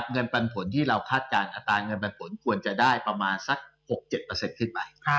เงินปันผลที่เราคาดการณ์อัตราเงินปันผลควรจะได้ประมาณสัก๖๗ขึ้นไป